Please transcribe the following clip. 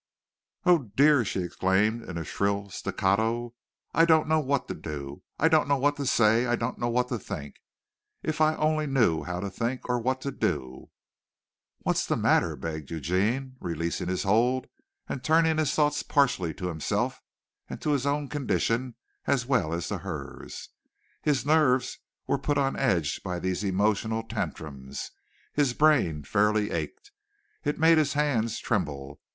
"Oh, dear!" she exclaimed in a shrill staccato, "I don't know what to do! I don't know what to say! I don't know what to think! If I only knew how to think or what to do!" "What's the matter?" begged Eugene, releasing his hold and turning his thoughts partially to himself and his own condition as well as to hers. His nerves were put on edge by these emotional tantrums his brain fairly ached. It made his hands tremble.